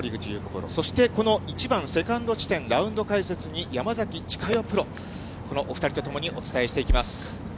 プロ、この１番セカンド地点、ラウンド解説に山崎千佳代プロ、このお二人とともにお伝えしていきます。